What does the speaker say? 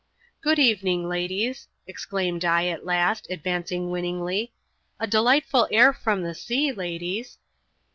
"Good evening, ladies," exclaimed I, at last, advancing winningly ;" a delightful air from the sea, ladies."